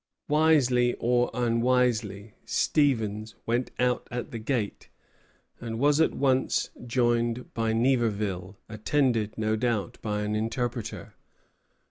Wisely or unwisely, Stevens went out at the gate, and was at once joined by Niverville, attended, no doubt, by an interpreter.